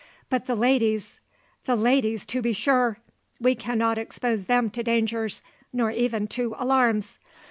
But the ladies the ladies, to be sure! We cannot expose them to dangers, nor even to alarms.